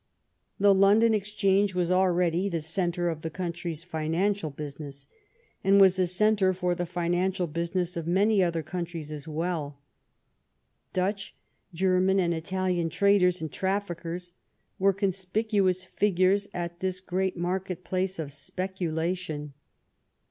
The London Exchange was already the centre of the country's financial business, and was a centre for the financial business of many other countries as well. Dutch, German, and Italian traders and traffickers were conspicuous figures at this great market place of speculation.